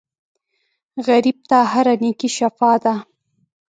غریب ته هره نېکۍ شفاء ده